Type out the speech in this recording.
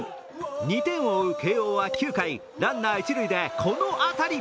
２点を追う慶応は９回、ランナー、一塁でこの当たり。